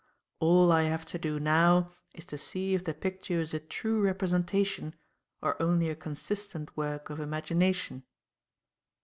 All I have to do now is to see if the picture is a true representation or only a consistent work of imagination."